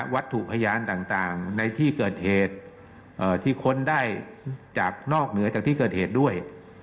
วัตถุพยานต่างในที่เกิดเหตุที่ค้นได้จากนอกเหนือจากที่เกิดเหตุด้วย